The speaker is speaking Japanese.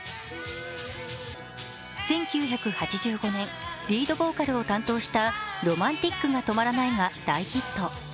１９８５年リードボーカルを担当した「Ｒｏｍａｎｔｉｃが止まらない」が大ヒット。